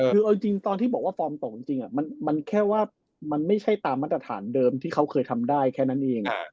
คือเอาจริงตอนที่บอกว่าฟอร์มตกจริงมันแค่ว่ามันไม่ใช่ตามมาตรฐานเดิมที่เขาเคยทำได้แค่นั้นเอง